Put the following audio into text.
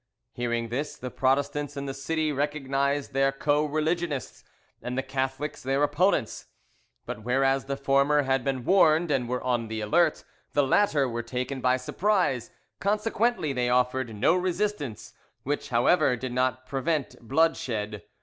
Hearing this, the Protestants in the city recognised their co religionists, and the Catholics their opponents: but whereas the former had been warned and were on the alert, the latter were taken by surprise; consequently they offered no resistance, which, however, did not prevent bloodshed.